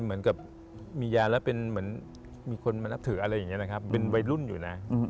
เหมือนกับมียาแล้วเป็นเหมือนมีคนมานับถืออะไรอย่างนี้นะครับเป็นวัยรุ่นอยู่นะ